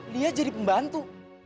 lia jadi pembantu